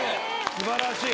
素晴らしい。